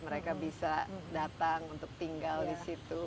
mereka bisa datang untuk tinggal di situ